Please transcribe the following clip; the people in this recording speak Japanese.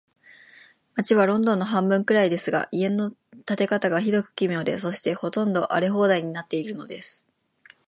街はロンドンの半分くらいですが、家の建て方が、ひどく奇妙で、そして、ほとんど荒れ放題になっているのです。